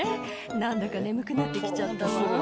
「何だか眠くなって来ちゃったわ」